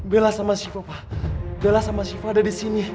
bella sama syifa pak bella sama syifa ada di sini